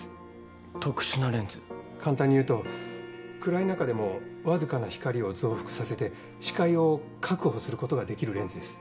簡単に言うと暗い中でも僅かな光を増幅させて視界を確保することができるレンズです。